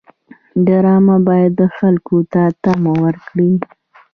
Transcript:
ډرامه باید خلکو ته تمه ورکړي